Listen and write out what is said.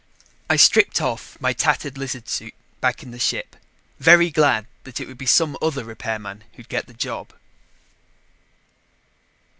I stripped off my tattered lizard suit back in the ship, very glad that it would be some other repairman who'd get the job.